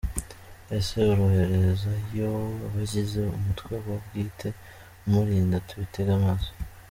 Ese aroherezayo abagize umutwe we bwite umurinda? Tubitege amaso.